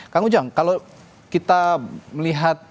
kang ujang kalau kita melihat